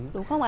đúng không ạ